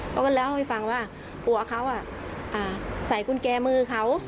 เขาก็เล่าให้ฟังว่าตัวเขาใส่กุญแจมือเขา